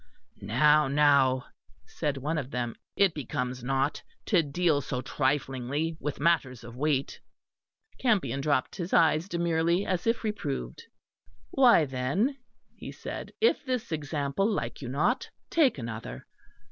"Now, now," said one of them, "it becomes not to deal so triflingly with matters of weight." Campion dropped his eyes, demurely, as if reproved. "Why, then," he said, "if this example like you not, take another.